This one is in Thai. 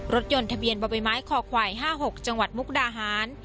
รถยนต์ทะเบียนบ่อใบไม้คอควาย๕๖จังหวัดมุกดาหาร